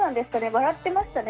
笑ってましたね